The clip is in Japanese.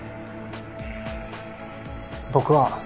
僕は。